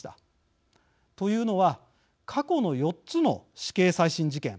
というのは過去の４つの死刑再審事件。